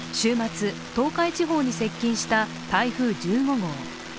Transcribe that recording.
週末、東海地方に接近した台風１５号。